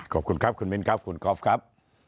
ขอบคุณครับคุณมิ้นครับคุณก๊อฟครับ